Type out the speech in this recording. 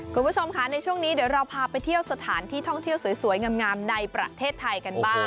คุณผู้ชมค่ะในช่วงนี้เดี๋ยวเราพาไปเที่ยวสถานที่ท่องเที่ยวสวยงามในประเทศไทยกันบ้าง